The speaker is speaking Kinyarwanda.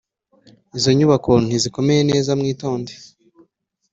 izo nyubako ntizikomeye neza mwitonde